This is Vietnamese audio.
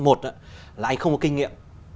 một là anh không có kinh nghiệm